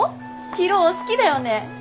博夫好きだよね。